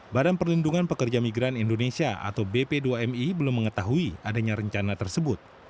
badan perlindungan pekerja migran indonesia atau bp dua mi belum mengetahui adanya rencana tersebut